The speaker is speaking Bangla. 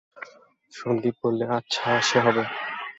— সন্দীপ বললে, আচ্ছা, সে হবে।